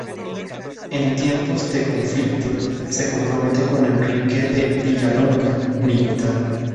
En tiempos de conflicto se compromete con Henrique de Villalonga, militar.